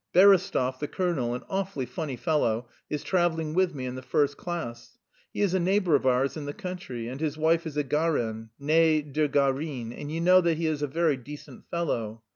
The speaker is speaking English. Berestov, the colonel, an awfully funny fellow, is travelling with me in the first class. He is a neighbour of ours in the country, and his wife is a Garin (née de Garine), and you know he is a very decent fellow.